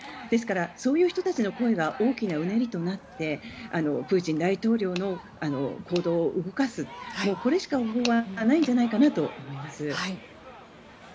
ですから、そういう人たちの声が大きなうねりとなってプーチン大統領の行動を動かすこれしか方法はないんじゃないかなと思います。